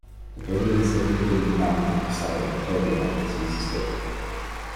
The veterans settled within the town took the side of Octavian after Caesar's death.